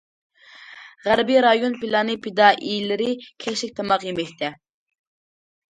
غەربىي رايون پىلانى پىدائىيلىرى كەچلىك تاماق يېمەكتە.